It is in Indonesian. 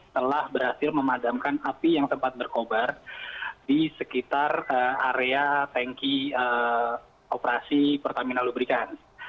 telah berhasil memadamkan api yang sempat berkobar di sekitar area tanki operasi pertamina lubrikan